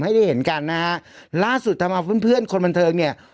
ให้ได้เห็นกันนะฮะล่าสุดทำเอาเพื่อนเพื่อนคนบันเทิงเนี่ย